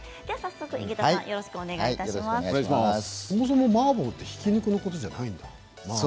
そもそもマーボーってひき肉のことじゃないんだ。